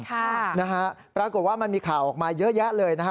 ค่ะนะฮะปรากฏว่ามันมีข่าวออกมาเยอะแยะเลยนะฮะ